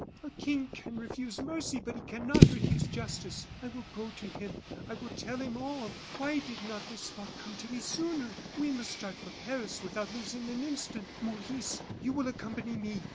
A king can refuse mercy, but he cannot refuse justice. I will go to him. I will tell him all! Why did not this thought come to me sooner? We must start for Paris without losing an instant. Maurice, you will accompany me.